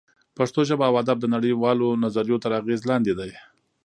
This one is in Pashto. پښتو ژبه او ادب د نړۍ والو نظریو تر اغېز لاندې دی